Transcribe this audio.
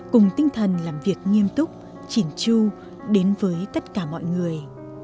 cùng tinh thần làm việc nghiêm túc chỉn chu đến với tất cả mọi người